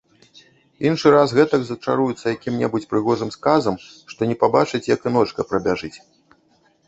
Іншы раз гэтак зачаруюцца якім-небудзь прыгожым сказам, што не пабачаць, як і ночка прабяжыць.